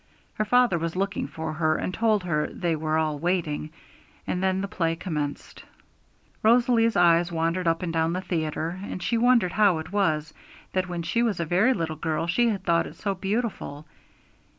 Her father was looking for her, and told her they were all waiting, and then the play commenced. Rosalie's eyes wandered up and down the theatre, and she wondered how it was that when she was a very little girl she had thought it so beautiful.